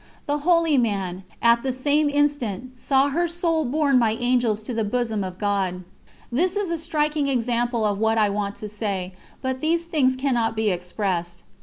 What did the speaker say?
The holy man, at the same instant, saw her soul borne by Angels to the Bosom of God. This is a striking example of what I want to say, but these things cannot be expressed.